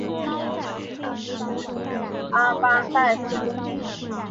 阿邦代苏。